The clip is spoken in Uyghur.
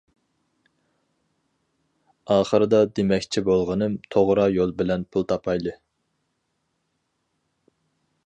ئاخىردا دېمەكچى بولغىنىم، توغرا يول بىلەن پۇل تاپايلى!